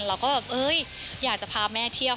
เราก็แบบเอ้ยอยากจะพาแม่เที่ยว